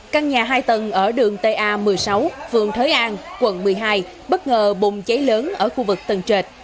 căn nhà hai tầng ở đường ta một mươi sáu phường thới an quận một mươi hai bất ngờ bùng cháy lớn ở khu vực tầng trệt